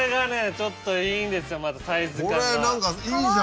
ちょっといいんですよまたサイズ感が。